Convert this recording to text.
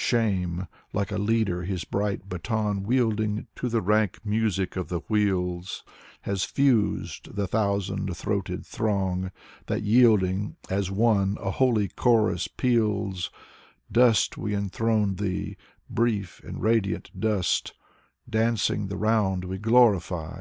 Shame, like a leader his bright baton wielding To the rank music of the wheels, Has fused the thousand throated throng, that yielding As one, a holy chorus peals: " Dust, we enthrone thee ; brief and radiant Dust, Dancing the round, we glorify.